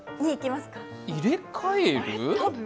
入れ替える？